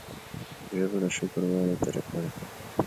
ژبه د شکر ویلو طریقه ده